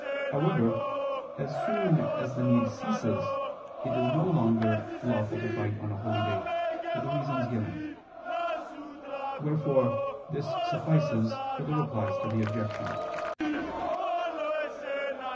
However, as soon as the need ceases, it is no longer lawful to fight on a holy day, for the reasons given: wherefore this suffices for the Replies to the Objections.